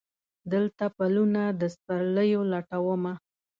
دلته پلونه د سپرلیو لټومه